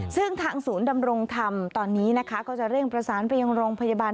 ซึ่งทางศูนย์ดำรงธรรมตอนนี้นะคะก็จะเร่งประสานไปยังโรงพยาบาล